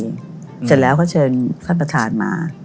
เสร็จแล้วเขาเชิญท่านประธานมา